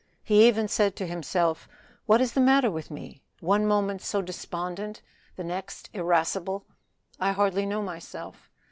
He even said to himself, "What is the matter with me? one moment so despondent, the next irascible. I hardly know myself.